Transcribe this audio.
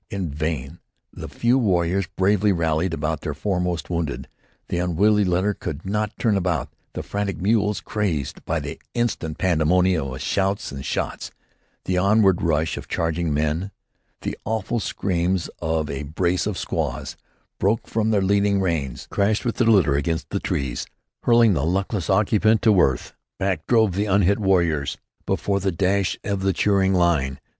In vain the few warriors bravely rallied about their foremost wounded; the unwieldy litter could not turn about; the frantic mules, crazed by the instant pandemonium of shouts and shots, the onward rush of charging men, the awful screams of a brace of squaws, broke from their leading reins; crashed with their litter against the trees, hurling the luckless occupant to earth. Back drove the unhit warriors before the dash of the cheering line.